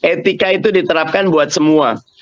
etika itu diterapkan buat semua